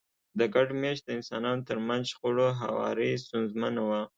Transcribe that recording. د ګډ مېشته انسانانو ترمنځ شخړو هواری ستونزمنه وه.